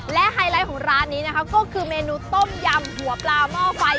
และไฮไลท์ของร้านนี้นะคะก็คือเมนูต้มยำหัวปลาหม้อไฟ